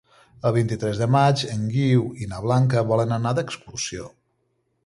El vint-i-tres de maig en Guiu i na Blanca volen anar d'excursió.